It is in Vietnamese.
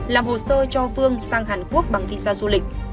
làm hồ sơ cho phương sang hàn quốc bằng visa du lịch